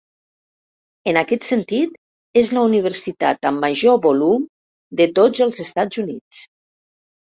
En aquest sentit és la universitat amb major volum de tots els Estats Units.